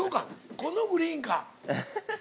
このグリーンか。